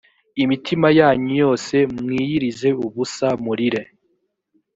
imitima yanyu yose mwiyirize ubusa, murire